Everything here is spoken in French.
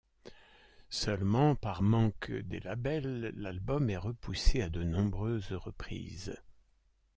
Seulement, par manque des labels, l'album est repoussé à de nombreuses reprises.